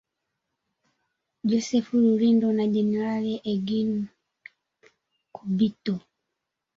Joseph Rurindo na jenerali Eugene Nkubito